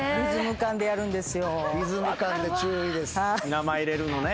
名前入れるのね。